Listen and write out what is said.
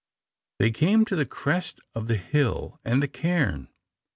They came to the crest of the hill and the cairn.